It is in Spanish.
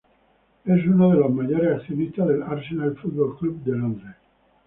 Es uno de los mayores accionistas del Arsenal Football Club de Londres.